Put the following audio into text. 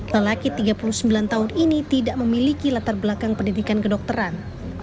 lelaki tiga puluh sembilan tahun ini tidak memiliki latar belakang pendidikan kedokteran